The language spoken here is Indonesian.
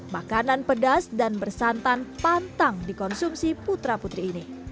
makanan pedas dan bersantan pantang dikonsumsi putra putri ini